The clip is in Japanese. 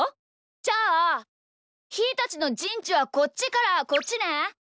じゃあひーたちのじんちはこっちからこっちね。